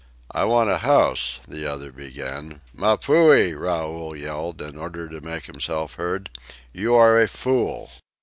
"I want a house " the other began. "Mapuhi!" Raoul yelled, in order to make himself heard. "You are a fool!"